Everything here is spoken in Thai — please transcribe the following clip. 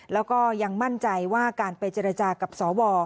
แล้วก็ยังมั่นใจว่าการไปเจรจากับสว